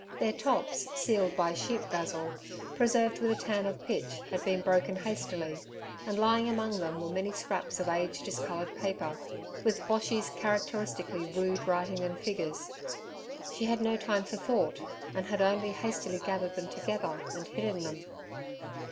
Their tops sealed by sheep basil, preserved with a tan of pitch had been broken hastily, and lying among them were many scraps of age discoloured paper with Boshy's characteristically rude writing and figures. She had no time for thought, and had only hastily gathered them together and hidden them.